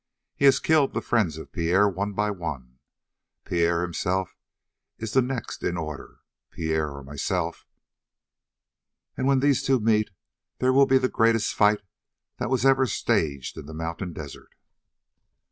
He has killed the friends of Pierre one by one; Pierre himself is the next in order Pierre or myself. And when those two meet there will be the greatest fight that was ever staged in the mountain desert."